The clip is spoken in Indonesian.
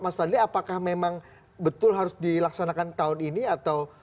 mas fadli apakah memang betul harus dilaksanakan tahun ini atau